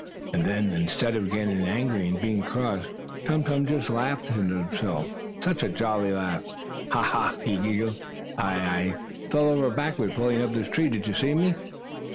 And then, instead of getting angry, and being cross, Tum Tum just laughed himself, such a jolly laugh! "Ha! Ha!" he giggled. "I I fell over backward pulling up this tree. Did you see me?"